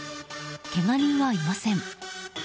けが人はいません。